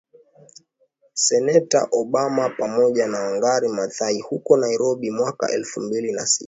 Seneta Obama pamoja na Wangari Maathai huko Nairobi mwaka elfu mbili na sita